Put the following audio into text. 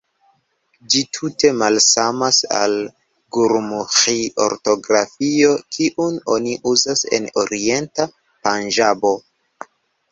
Ĝi tute malsamas al gurumuĥi-ortografio, kiun oni uzas en orienta Panĝabo.